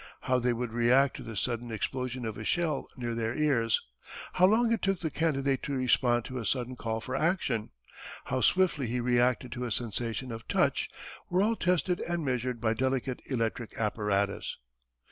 How they would react to the sudden explosion of a shell near their ears, how long it took the candidate to respond to a sudden call for action, how swiftly he reacted to a sensation of touch were all tested and measured by delicate electric apparatus.